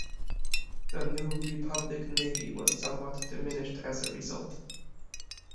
The New Republic navy was somewhat diminished as a result.